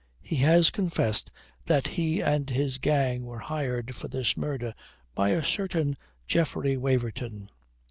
He has confessed that he and his gang were hired for this murder by a certain Geoffrey Waverton."